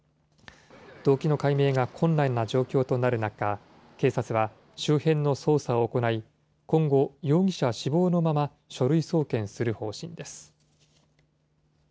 動機の解明が困難な状況となる中、警察は周辺の捜査を行い、今後、容疑者死亡のまま、書類送検する方針です。